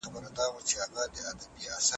صليبي جګړې دوام درلود.